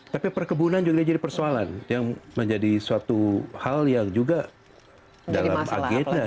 tapi perkebunan juga jadi persoalan yang menjadi suatu hal yang juga dalam agenda